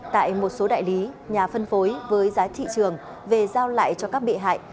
tại một số đại lý nhà phân phối với giá thị trường về giao lại cho các bị hại